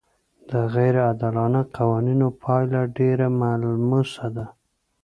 د غیر عادلانه قوانینو پایله ډېره ملموسه ده.